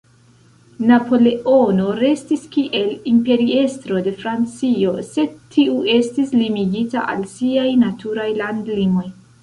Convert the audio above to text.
Napoleono restis kiel Imperiestro de Francio, sed tiu estis limigita al siaj "naturaj landlimoj".